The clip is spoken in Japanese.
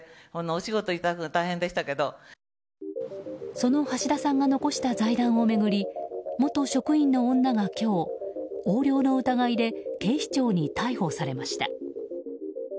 その橋田さんが残した財団を巡り元職員の女が今日横領の疑いで警視庁に逮捕されました。